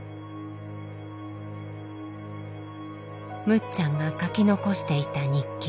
むっちゃんが書き残していた日記。